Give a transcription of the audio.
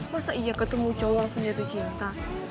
masa iya ketemu cowok langsung jatuh cinta